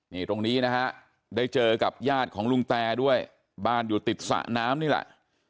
นี่ตรงนี้นะฮะได้เจอกับญาติของลุงแตด้วยบ้านอยู่ติดสระน้ำนี่แหละ